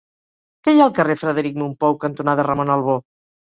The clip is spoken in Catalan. Què hi ha al carrer Frederic Mompou cantonada Ramon Albó?